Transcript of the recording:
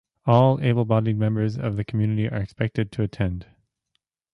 All able-bodied members of the community are expected to attend.